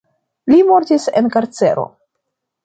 Li mortis en karcero.